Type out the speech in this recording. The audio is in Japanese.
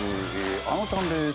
あのちゃんです。